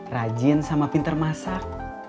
rajin sama pinter masak